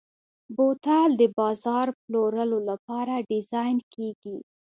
بوتل د بازار پلورلو لپاره ډیزاین کېږي.